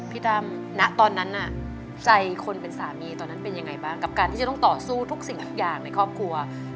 พี่ดำณตอนนั้นน่ะใจคนเป็นสามีตอนนั้นเป็นยังไงบ้างกับการที่จะต้องต่อสู้ทุกสิ่งทุกอย่างในครอบครัว